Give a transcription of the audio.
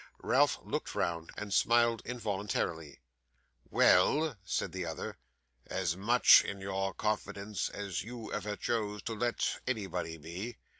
Ralph looked round, and smiled involuntarily. 'Well,' said the other, 'as much in your confidence as you ever chose to let anybody be.